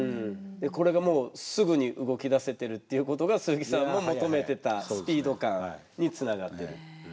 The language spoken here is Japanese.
でこれがもうすぐに動き出せてるっていうことが鈴木さんも求めてたスピード感につながってる。